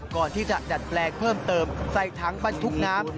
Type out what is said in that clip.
ก่อนที่จะดัดแปลงเพิ่มเติมใส่ถังบรรทุกน้ำ